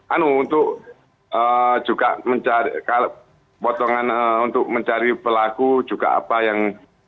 anu untuk juga mencari pelaku juga apa yang